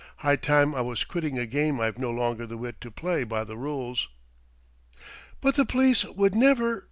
High time I was quitting a game I've no longer the wit to play by the rules!" "But the police would never...!"